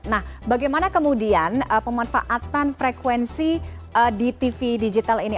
nah bagaimana kemudian pemanfaatan frekuensi di tv digital ini